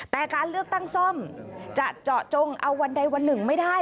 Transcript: แต่การเลือกตั้งซ่อมจะเจาะจงเอาวันใดวันหนึ่งไม่ได้